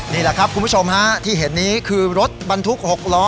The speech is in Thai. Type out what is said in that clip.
นี่แหละครับคุณผู้ชมฮะที่เห็นนี้คือรถบรรทุก๖ล้อ